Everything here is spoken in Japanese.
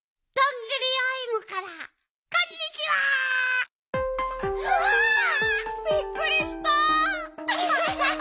びっくりした！